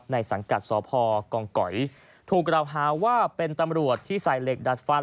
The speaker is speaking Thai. สังกัดสพกองก๋อยถูกกล่าวหาว่าเป็นตำรวจที่ใส่เหล็กดัดฟัน